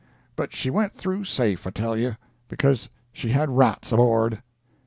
But she went through safe, I tell you, because she had rats aboard."